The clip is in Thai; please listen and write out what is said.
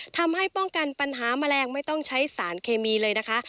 ทำให้ป้องกันปัญหาแมลงไม่ต้องใช้สารเคมีเลยนะคะ